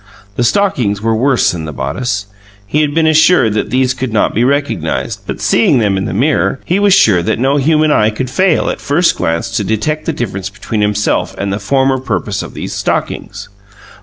The stockings were worse than the bodice. He had been assured that these could not be recognized, but, seeing them in the mirror, he was sure that no human eye could fail at first glance to detect the difference between himself and the former purposes of these stockings.